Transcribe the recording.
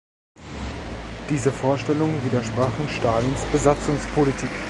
Diese Vorstellungen widersprachen Stalins Besatzungspolitik.